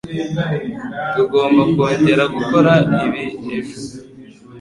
Tugomba kongera gukora ibi ejo.